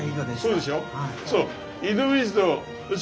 そうでしょ。